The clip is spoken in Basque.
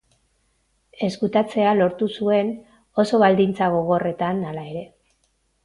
Ezkutatzea lortu zuen, oso baldintza gogorretan, hala ere.